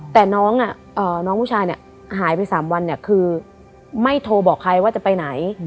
แต่น้องผู้ชายเนี่ยหายไป๓วันคือไม่โทรบอกใครว่าจะไปไหน